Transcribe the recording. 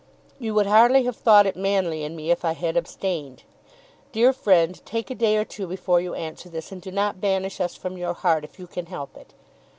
You would hardly have thought it manly in me if I had abstained. Dear friend, take a day or two before you answer this, and do not banish us from your heart if you can help it.